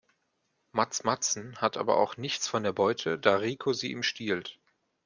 Mads Madsen hat aber auch nichts von der Beute, da Rico sie ihm stiehlt.